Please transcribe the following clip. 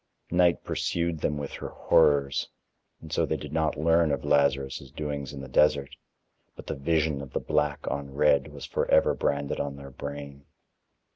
Night pursued them with her horrors, and so they did not learn of Lazarus' doings in the desert, but the vision of the black on red was forever branded on their brain.